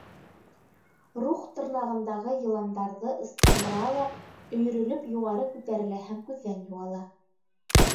Рухх тырнағындағы йыландарҙы ыскындыра ла өйөрөлөп юғары күтәрелә һәм күҙҙән юғала.